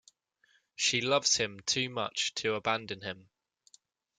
She loves him too much to abandon him.